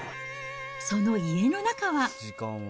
その家の中は。